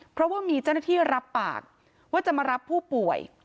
เพราะว่ามีเจ้าหน้าที่รับปากว่าจะมารับผู้ป่วย